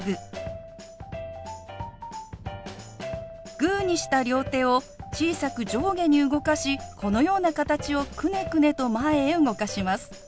グーにした両手を小さく上下に動かしこのような形をくねくねと前へ動かします。